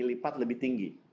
lipat lebih tinggi